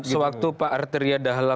sewaktu pak arteria dahala